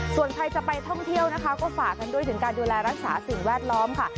ส่วนใครจะไปท่องเที่ยวนะคะก็ฝากกันด้วยถึงการดูแลรักษาสิ่งแวดล้อมค่ะ